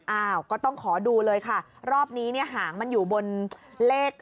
อ้าวก็ต้องขอดูเลยค่ะรอบนี้เนี่ยหางมันอยู่บนเลข